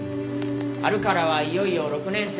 春からはいよいよ６年生。